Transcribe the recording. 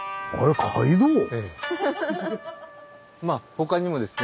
ほかにもですね